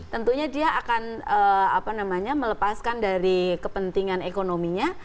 tentunya dia akan melepaskan dari kepentingan ekonominya